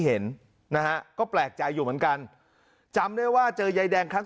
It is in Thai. เห็นนะฮะก็แปลกใจอยู่เหมือนกันจำได้ว่าเจอยายแดงครั้ง